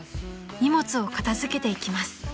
［荷物を片付けていきます］